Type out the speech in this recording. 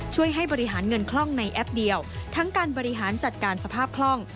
ช่วยให้บริหารเงินคล่องในแอปเดียวทั้งการบริหารจัดการสภาพคล่อง